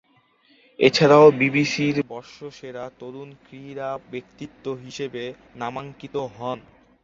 এছাড়াও বিবিসির বর্ষসেরা তরুণ ক্রীড়া ব্যক্তিত্ব হিসেবে নামাঙ্কিত হন।